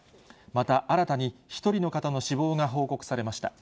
また、新たに１人の方の死亡が報告されました。